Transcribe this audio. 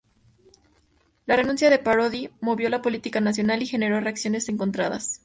La renuncia de Parody movió la política nacional y generó reacciones encontradas.